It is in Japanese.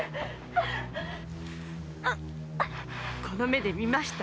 この目で見ました。